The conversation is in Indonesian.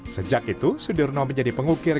sejak itu sudirno menjadi pengukir